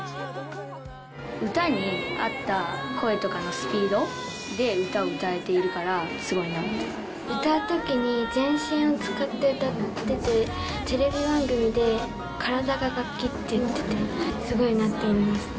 歌に合った声とかのスピードで歌を歌えているから、すごいなと。歌うときに全身を使って歌ってて、テレビ番組で体が楽器って言っててすごいなって思いました。